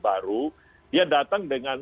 baru dia datang dengan